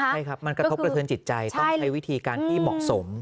ใช่ครับมันกระทบกระเทินจิตใจต้องใช้วิธีการที่เหมาะสม